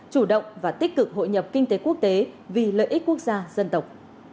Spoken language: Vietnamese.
chủ động và tích cực hội nhập kinh tế quốc tế vì lợi ích quốc gia dân tộc